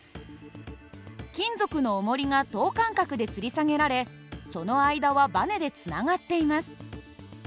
金属のおもりが等間隔でつり下げられその間はバネでつながっています。